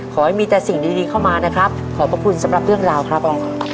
ขอให้มีแต่สิ่งดีเข้ามานะครับขอบพระคุณสำหรับเรื่องราวครับ